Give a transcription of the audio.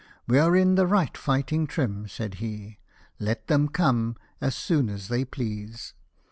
" We are in the right fighting trim," said he ;" let them come as soon as they please.